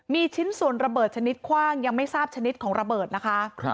มีชิ้นส่วนระเบิดชนิดคว่างยังไม่ทราบชนิดของระเบิดนะคะ